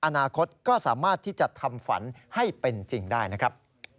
อนาคตก็สามารถที่จะทำฝันให้เป็นจริงได้นะครับ